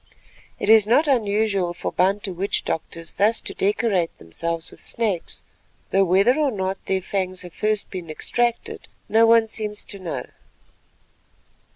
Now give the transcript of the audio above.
It is not unusual for Bantu witch doctors thus to decorate themselves with snakes, though whether or not their fangs have first been extracted no one seems to know.